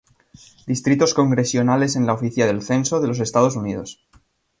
Distritos congresionales en la Oficina del Censo de los Estados Unidos.